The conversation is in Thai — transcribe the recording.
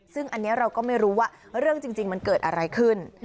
ซึ่งอันนี้เราก็ไม่รู้ว่าเรื่องจริงมันเกิดอะไรขึ้น